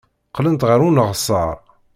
Qqlent ɣer uneɣsar.